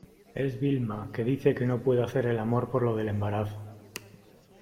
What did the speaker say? es Vilma, que dice que no puede hacer el amor por lo del embarazo.